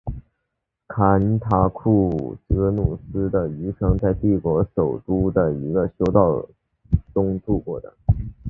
坎塔库泽努斯的余生是在帝国首都的一个修道院中度过的。